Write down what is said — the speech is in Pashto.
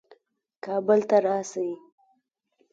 کابل ته راسي.